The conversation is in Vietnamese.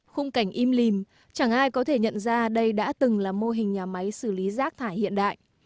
khung cảnh im lìm chẳng ai có thể nhận ra đây đã từng là mô hình nhà máy xử lý rác thải hiện đại